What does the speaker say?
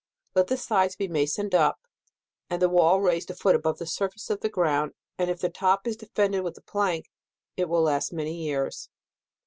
Let the sides be masoned. up, and the wall raised a foot above the surface of the ground, and if the top is defended with a plank, it will last many years.